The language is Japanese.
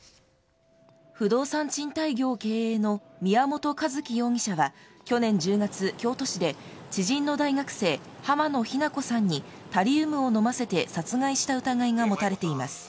不動産賃貸業経営の宮本一希容疑者は去年１０月、京都市で知人の大学生濱野日菜子さんにタリウムを飲ませて殺害した疑いが持たれています。